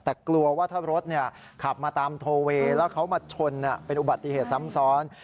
แต่กลัวว่าถ้ารถขับมาตามโทเวย์แล้วเขามาชนเป็นอุบัติเหตุซ้ำซ้อน